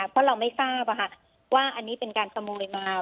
เพราะเราไม่ทราบว่าอันนี้เป็นการขโมยมา